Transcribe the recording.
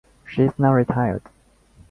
She is now retired.